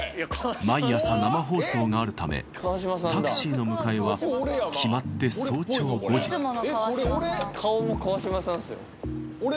毎朝生放送があるためタクシーの迎えは決まって早朝５時えっこれ俺？